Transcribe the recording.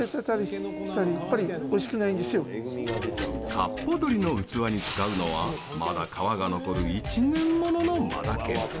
かっぽ鶏の器に使うのはまだ皮が残る１年ものの真竹。